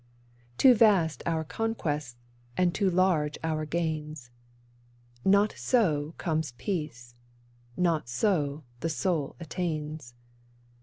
Too vast our conquests, and too large our gains; Not so comes peace, not so the soul attains.